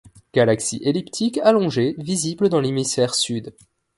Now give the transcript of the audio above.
Galaxie elliptique allongée visible dans l'hémisphère sud.